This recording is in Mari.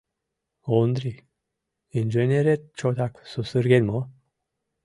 Ондрий, инженерет чотак сусырген мо?